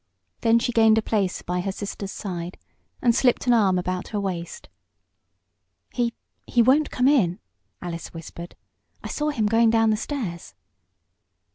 Then she gained a place by her sister's side, and slipped an arm about her waist. "He he won't come in," Alice whispered. "I saw him going down the stairs."